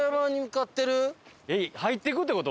入っていくって事？